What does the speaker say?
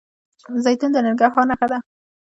زیتون د ننګرهار نښه ده.